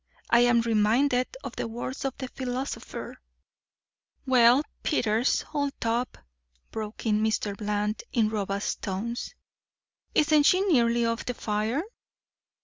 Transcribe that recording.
I am reminded of the words of the philosopher " "Well, Peters, old top," broke in Mr. Bland in robust tones, "isn't she nearly off the fire?"